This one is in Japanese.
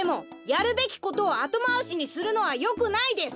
やるべきことをあとまわしにするのはよくないです！